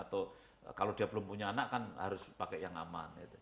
atau kalau dia belum punya anak kan harus pakai yang aman